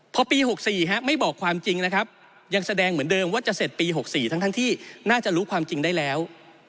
พอปี๖๔ไม่บอกความจริงนะครับยังแสดงเหมือนเดิมว่าจะเสร็จปี๖๔ทั้งที่น่าจะรู้ความจริงได้แล้ว